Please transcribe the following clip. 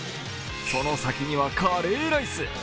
その先には、カレーライス。